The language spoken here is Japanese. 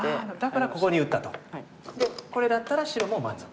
でこれだったら白も満足。